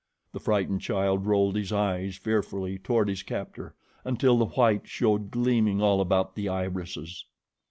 The frightened child rolled his eyes fearfully toward his captor, until the whites showed gleaming all about the irises.